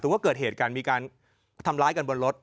ก็เกิดเหตุการณ์มีการทำร้ายกันบนรถ